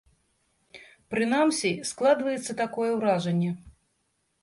Прынамсі, складваецца такое ўражанне.